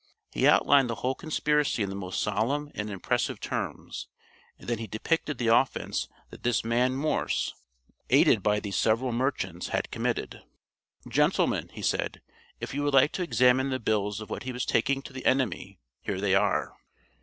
He outlined the whole conspiracy in the most solemn and impressive terms, and then he depicted the offense that this man Morse, aided by these several merchants, had committed. "Gentlemen," he said, "if you would like to examine the bills of what he was taking to the enemy, here they are."